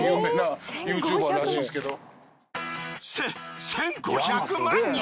せ１，５００万人！？